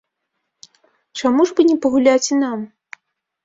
Чаму ж бы не пагуляць і нам?